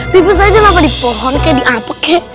pipis aja apa di pohon kek di apa kek